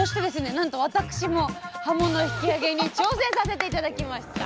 なんと私もはもの引き上げに挑戦させて頂きました！